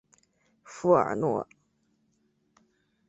富尔诺。